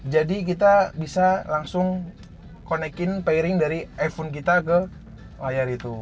jadi kita bisa langsung connect in pairing dari iphone kita ke layar itu